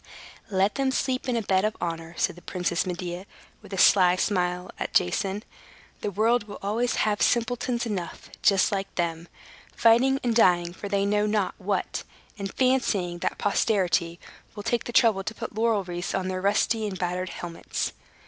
"Let them sleep in the bed of honor," said the Princess Medea, with a sly smile at Jason. "The world will always have simpletons enough, just like them, fighting and dying for they know not what, and fancying that posterity will take the trouble to put laurel wreaths on their rusty and battered helmets.